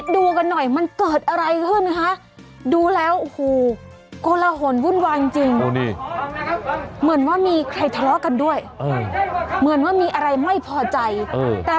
ดูกันหน่อยมันเกิดอะไรขึ้นคะดูแล้วโอ้โหโกลหนวุ่นวายจริงเหมือนว่ามีใครทะเลาะกันด้วยเหมือนว่ามีอะไรไม่พอใจแต่